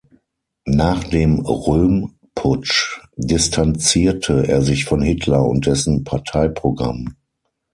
Nach dem Röhm-Putsch distanzierte er sich von Hitler und dessen Parteiprogramm.